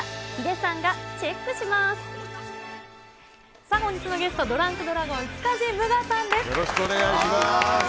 さあ、本日のゲスト、ドランクドラゴン・塚地武雅さんです。